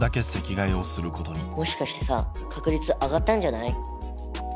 もしかしてさ確率上がったんじゃない？